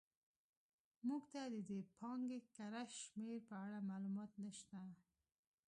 موږ ته د دې پانګې کره شمېر په اړه معلومات نه شته.